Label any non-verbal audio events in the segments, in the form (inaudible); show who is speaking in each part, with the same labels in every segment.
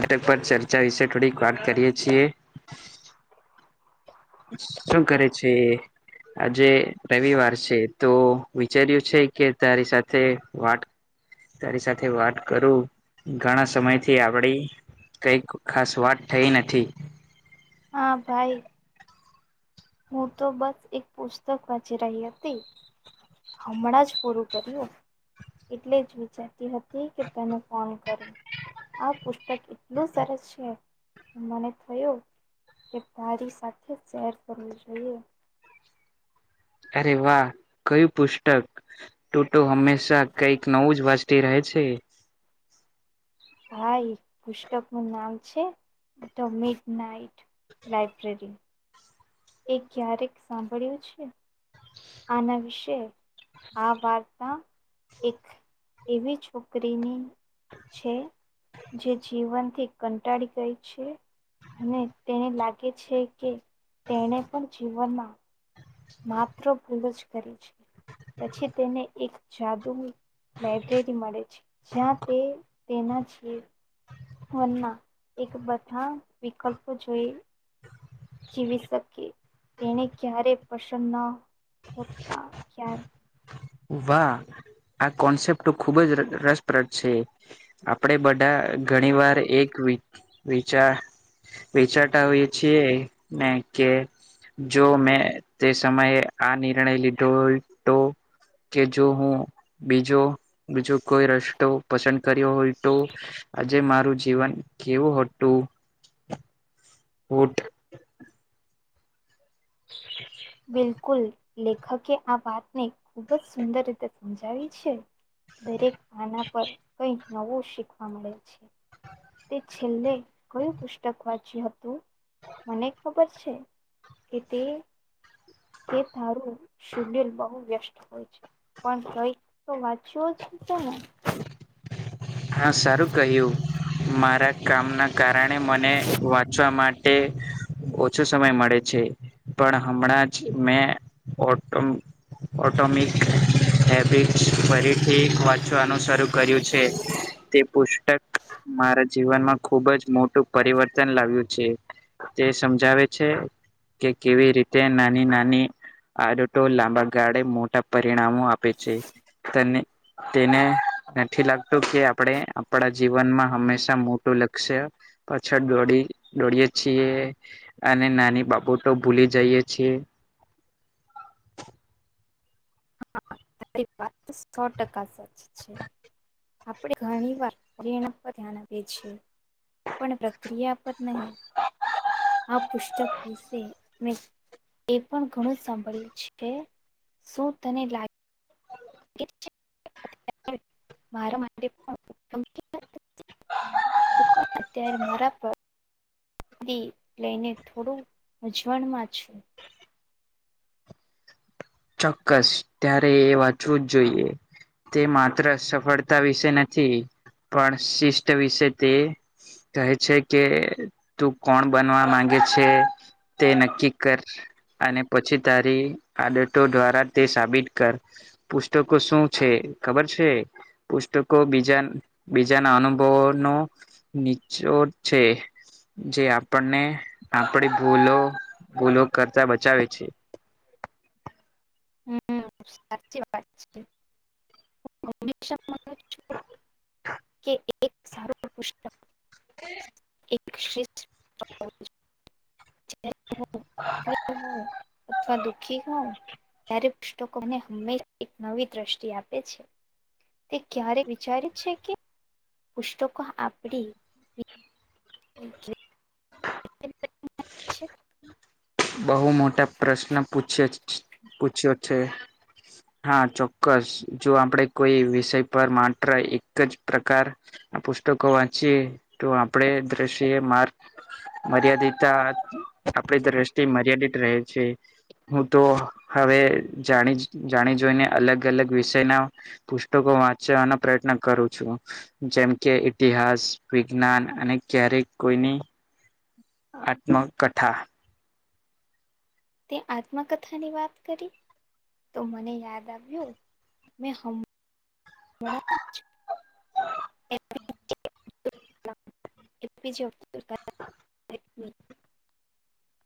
Speaker 1: અટક પર ચર્ચા વિશે થોડીક વાત કરીએ છીએ. શું કરે છે? આજે રવિવાર છે તો વિચાર્યું છે કે તારી સાથે વાત તારી સાથે વાત કરું ઘણા સમયથી આપડી કઈ ખાસ વાત થઈ નથી.
Speaker 2: હા ભાઈ. હું તો બસ એક પુસ્તક વાંચી રહી હતી, હમણાં જ પૂરું (unintelligible) એટલે જ વિચારતી હતી કે તેને ફોન કરુ. આ પુસ્તક એટલું સરસ છે મને થયો કે મારી સાથે શેર કરવું જોઈએ.
Speaker 1: અરે વાહ કયું પુસ્તક ટોટ હંમેશા કઈક નવું જ વાચ તે રહે છે.
Speaker 2: ભાઈ પુસ્તક નું નામ છે ધ મિડ નાઈટ. લાઈબ્રેરી એ ક્યારેક સાંભળ્યું છે આના વિશે? આ વાત મા એક એવી છોકરીની છે જે જીવનથી કંટાળી ગઈ છે. અને તેને લાગે છે કે તેને પણ જીવનમાં માત્ર ભૂલો જ કરી છે પછી તેને એક જાદુ ની લાઈબ્રેરી મળે છે જ્યાં તે તેના છે. ફોનમાં એક બધા વિકલ્પો જોઈ જીવી શકે તેને ક્યારે પસંદ ન હોતા ક્યાર
Speaker 1: વાહ આ કોન્સેપ્ટ ખુબ જ રસ રસપ્રદ છે. આપણેે બધા ઘણી વાર એક વિ વિચા વિચાટ આવી છે ને કે જો મેં તે સમયે આ નિર્ણય લીધો હોય તો કે જો હું બીજો બીજો કોઈ રસ્તો પસંદ કર્યો હોય તો આજે મારું જીવન કેવું હતું. (unintelligible) (inaudible)
Speaker 2: બિલકુલ લેખકે આ વાતને ખુબ જ સુંદર રીતે સમજાવી છે. દરેક આના પર કઈ નવું શીખવા મળે છે. તે છેલ્લે કયું પુસ્તક વાચ (unintelligible) હતું મને ખબર છે કે તે કે તારું શિડયુલ બહુ વ્યસ્ત હોય છે. પણ કઈ તો વાંચ્યો છે તમે.
Speaker 1: હા સારું કહ્યું. મારા કામના કારણે મને વાંચવા માટે ઓછો સમય મળે છે પણ હમણાં જ મેં ઓટો ઓટોમિક, હેબિટ્સ ફરી ઠીક વાંચવાનો શરૂ કર્યું છે તે પુસ્તક મારા જીવનમાં ખુબ જ મોટું પરિવર્તન લાવ્યું છે. તે સમજાવે છે કે કેવી રીતે નાની નાની આદતો લાંબા ગાળે મોટા પરિણામો આપે છે તને તેને નથી લાગતું કે આપણે આપણા જીવનમાં હંમેશા મોટું લક્ષ્ય પાછળ દોડી દોડીએ છીએ અને નાની બાબ તો ભૂલી જઈએ છીએ.
Speaker 2: તારી વાત તો સો ટકા સાચી છે. આપણે ઘણી વાર પ્રેરણા (unintelligible) પર ધ્યાન આપીએ છીએ. પણ પ્રક્રિયા પર નહી આ પુસ્તક વિશે મે એ પણ ઘણું સાંભળ્યું છે શું તને લાગ (unintelligible) (unintelligible) અત્યારે મારા પગ (unintelligible) લઈને થોડું મૂંઝવણમાં છે.
Speaker 1: ચોક્કસ ત્યારે એ વાંચવું જ જોઈએ. તે માત્ર સફળતા વિશે નથી પણ શિષ્ટ વિશે તે કહે છે કે તું કોણ બનવા માંગે છે તે નક્કી કર અને પછી તારી આદતો દ્વારા તે સાબિત કર. પુસ્તકો શું છે, ખબર છે? પુસ્તકો બીજા-બીજાના અનુભવોનો નીચો છે, જે આપણને આપડી ભૂલો ભૂલો કરતા બચાવે છે.
Speaker 2: (unintelligible) કે, એક સારું પુસ્તક
Speaker 1: (unintelligible)
Speaker 2: (unintelligible) (unintelligible) પુસ્તકો ને દ્યારો કે પુસ્તકોને, હંમેશા એક નવી દ્રષ્ટિ આપે છે. તે ક્યારે વિચારી છે કે, પુસ્તકો આપડી (unintelligible) (unintelligible)
Speaker 1: બહુ મોટા પ્રશ્ન પૂછ્યા પૂછ્યો છે. હા, ચોક્કસ. જો આપણેે કોઈ વિષય પર માત્ર એક જ પ્રકાર આ પુસ્તકો વાંચીએે, તો આપણેે દ્રશ્ય માર મર્યાદીતા, આપડી દ્રષ્ટિ મર્યાદિત રહે છે. હું તો હવે જાણી જાણી જોઈને, અલગ-અલગ વિષયના પુસ્તકો વાંચવાનો પ્રયત્ન કરું છું. જેમ કે ઇતિહાસ, વિજ્ઞાન અને ક્યારેક કોઈની આત્મકથા.
Speaker 2: તે આત્મકથા ની વાત કરી, તો મને યાદ આવ્યું, મેં હમ. વ (inaudible) AP J Abdul Kalam.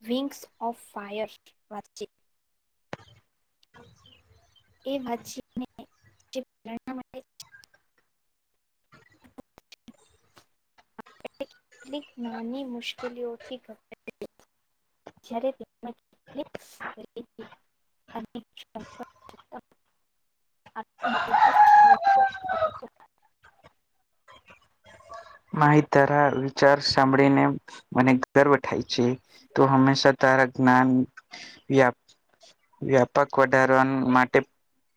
Speaker 2: Wings of fire વાચી.
Speaker 1: હ (unintelligible)
Speaker 2: એ વાત છે. એણા માટે. લક નાની મુશ્કેલીઓથી ઘભરા (inaudible) જ્યારે કરી. (unintelligible) અને (unintelligible) આ મોટુ સ્થાન પ્રાપ્ત કર્યુ.
Speaker 1: માહી તારા વિચાર સાંભળીને મને ગર્વ થાય છે, તુ હંમેશા તારા જ્ઞાન વ્યાપક વધારવા માટે.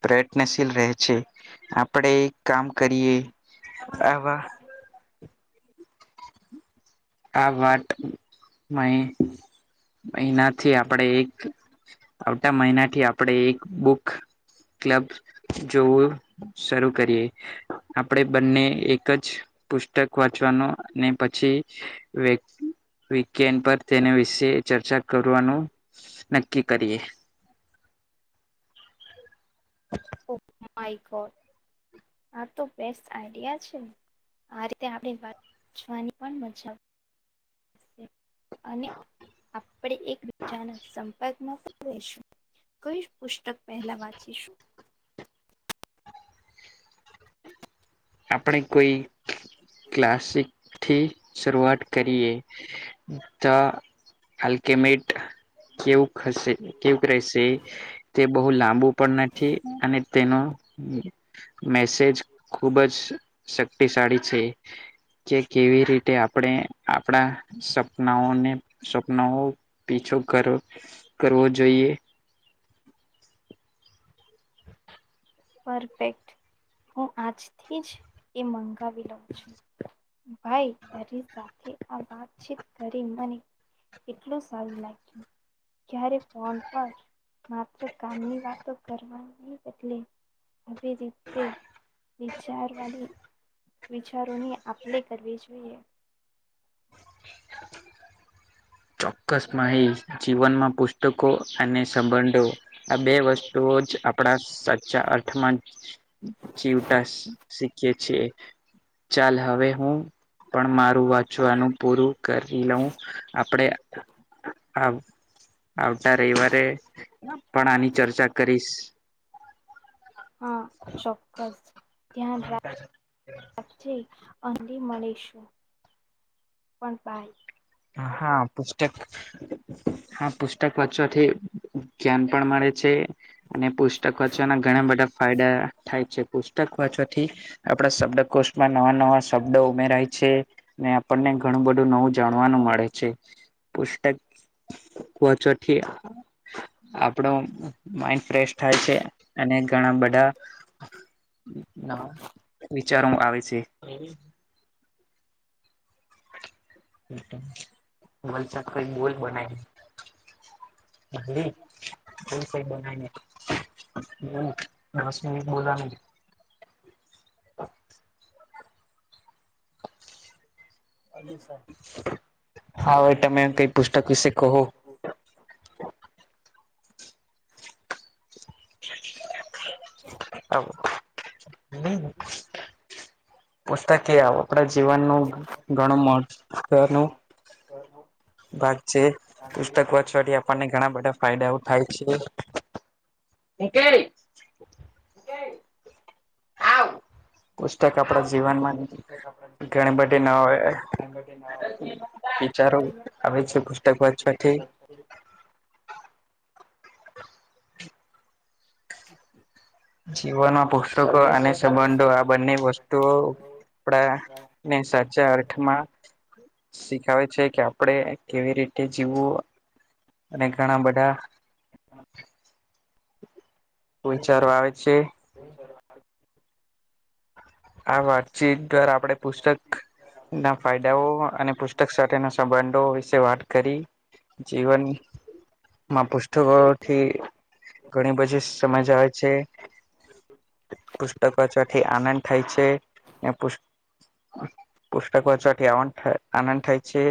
Speaker 1: પ્રયત્નશીલ રહે છે, આપણેે કામ કરીએ આવા આ વાત મહિનાથી આપણે એક આવતા, મહિના થી આપણેે એક બુક ક્લબ્સ જોવું. શરૂ કરીએ. આપડે બંને એક જ પુસ્તક વાંચવાનુ અને પછી વિકેન્ડ પર તેના વિશે ચર્ચા કરવાનું. નક્કી કરીએ. હ (unintelligible)
Speaker 2: ઓહ માય ગોડ, આ તો બેસ્ટ આઈડિયા છે. આ રીતે આપડે વાચવાની પણ મજા આવશે. અને આપણે એકબીજાના સંપર્કમાં રહીશું કઈ પુસ્તક પહેલા વાંચીશું?
Speaker 1: આપણે કોઈ ક્લાસિક થી શરૂઆત કરીએ. તો હાલકેમેટ કેવું હશે કેવું રહેશે તે બહુ લાંબુ પણ નથી અને તેનો મેસેજ ખુબ જ શક્તિશાળી છે. કે કેવી રીતે આપણે આપણા સપનાઓને સપનાઓ પીછો કરવો જોઈએ.
Speaker 2: પરફેક્ટ હું આજથી જ એ મંગાવી લઉં છું. ભાઈ તારી સાથે આ વાતચીત કરી મને કેટલું સારું લાગ્યું ક્યારેક ફોન પર માત્ર કામની વાતો કરવાની બદલે આવી રીતે વિચારવાની વિચારોની આપ લે કરવી જોઈએ.
Speaker 1: ચોક્કસ માહી જીવનમાં પુસ્તકો અને સંબંધો આ બે વસ્તુઓ જ આપણા સાચા અર્થમાં જીવતા શીખીએ છીએ. ચાલ હવે હું પણ મારું વાંચવાનું પૂરું કરી લઉં આપડે આવ આવતા રવિવારે પણ આની ચર્ચા કરીશું.
Speaker 2: હા ચોક્કસ ધ્યાન રાખ સાચ્ચે અર્લી મળીશું પણ બાય.
Speaker 1: હા પુસ્તક હા પુસ્તક વાંચવાથી ધ્યાન પણ મળે છે. અને પુસ્તક વાંચવાના ઘણા બધા ફાયડા થાય છે. પુસ્તક વાંચવાથી આપડા શબ્ડકોષમાં નવા નવા શબ્ડ ઉમેરાય છે. ને આપણને ઘણું બધું નવું જાણ (unintelligible) મળે છે. પુસ્તક વોંચવોથી આપડો માઇન્ડ ફ્રેશ થાય છે અને ઘણા બધા નવા વિચારો આવે છે. (unintelligible) (unintelligible) હમ્મ દસ મિનિટ બોલવાનું હા હવે તમે કઈ પુસ્તક વિશે કહો
Speaker 2: (unintelligible) (inaudible)
Speaker 1: (unintelligible)
Speaker 2: હમ્મ
Speaker 1: પુસ્તાક એ આ આપણા જીવનનું ઘણું મહત્વનું
Speaker 2: (unintelligible)
Speaker 1: ભાગ છે પુસ્તક વાછવાથી આપણને ઘણા બઢા ફાયડાઓ થાય છે
Speaker 2: હું કેય
Speaker 1: આવ પુસ્તક આપણા જીવનમાં ઘણી બધી ન વાંચવાથી
Speaker 2: (inaudible) (inaudible)
Speaker 1: જીવનમાં પુસ તકો અને સંબંધો આ બંને વસ્તુઓ પડાને સાચા અર ર્થમાં શીખાવે છે કે આપડે કેવી રીતે જીવવું? અને ઘણા બધા વિચારો આવે છે.
Speaker 2: (unintelligible)
Speaker 1: આ વાતચીતગર આપડે પુસ્તક ના ફાયદાઓ અને પુસ્તક સાથેના સંબંધો વિશે વાત કરી જીવન માં પુસ્તકોથી ઘણી બધી સમજ આવે છે. પુસ્તક વાંચવાથી આનંદ થાય છે ને પુષ પુષ્તક વાંચવાથી આનંદ થા આનંદ થાય છે.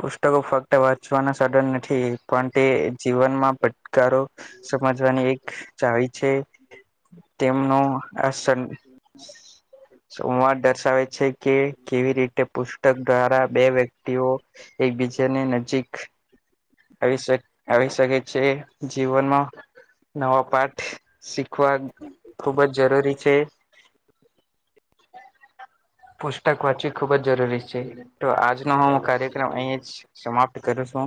Speaker 1: પુસ્તકો ફક્ત વાંચવાના સાધન નથી. પણ તે જીવનમાં પટકારો સમજવાની એક ચાવી છે. તેમનું અસન
Speaker 2: (inaudible)
Speaker 1: સંવાદ દર્શાવે છે કે કેવી રીતે પુસ્તક દ્વારા બે વ્યક્તિઓ એકબીજાને નજીક આવી શક આવી શકે છે જીવનમાં નવા પાઠ શીખવા ખુબ જ જરૂરી છે. પુસ્તક વાંચવી ખુબ જ જરૂરી છે. તો આજનો હું કાર્યક્રમ અહીં જ સમાપ્ત ત કરુ છું